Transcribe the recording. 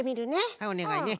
はいおねがいね。